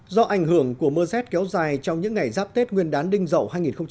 do ảnh hưởng của mưa rét kéo dài trong những ngày giáp tết nguyên đán đinh dậu hai nghìn một mươi bảy